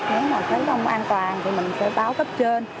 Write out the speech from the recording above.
nếu mà thấy không an toàn thì mình sẽ báo cấp trên